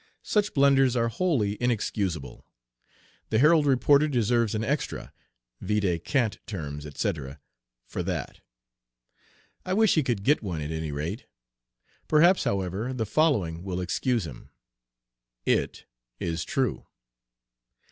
Such blunders are wholly inexcusable. The Herald reporter deserves an "extra" (vide Cant Terms, etc.) for that. I wish he could get one at any rate. Perhaps, however, the following will excuse him. It is true.